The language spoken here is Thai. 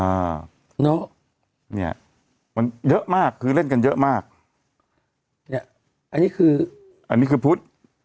อ่าเนอะเนี้ยมันเยอะมากคือเล่นกันเยอะมากเนี้ยอันนี้คืออันนี้คือพุทธ